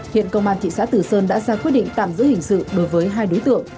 hiện công an thị xã tử sơn đã ra quyết định tạm giữ hình sự đối với hai đối tượng